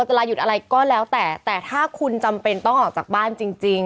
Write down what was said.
เวลาหยุดอะไรก็แล้วแต่แต่ถ้าคุณจำเป็นต้องออกจากบ้านจริง